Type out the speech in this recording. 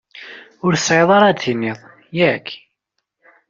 Ur tesɛiḍ ara d-tiniḍ, yak?